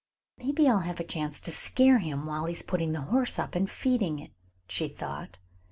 "Maybe I'll have a chance to scare him while he is putting the horse up and feeding it," she thought.